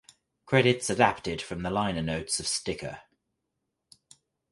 Credits adapted from the liner notes of "Sticker".